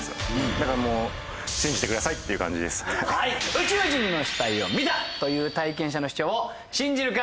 宇宙人の死体を見たという体験者の主張を信じるか？